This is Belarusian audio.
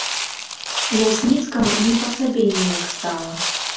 Лясніцкаму не па сабе неяк стала.